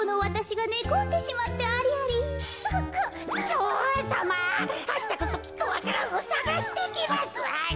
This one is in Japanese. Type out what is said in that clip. じょおうさまあしたこそきっとわか蘭をさがしてきますアリ。